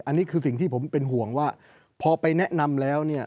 อันนี้คือสิ่งที่ผมเป็นห่วงว่าพอไปแนะนำแล้วเนี่ย